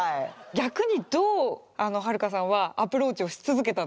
逆にどうはるかさんはアプローチをし続けたんですか？